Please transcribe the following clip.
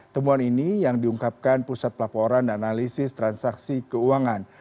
temuan ini yang diungkapkan pusat pelaporan dan analisis transaksi keuangan